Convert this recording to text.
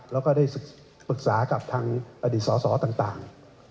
แล้วก็ได้ปรึกษากับทางอดีตสอสอต่าง